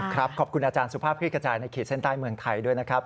ขอบคุณอาจารย์สุภาพคลิกกระจายในขีดเส้นใต้เมืองไทยด้วยนะครับ